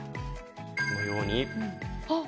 このようにはい。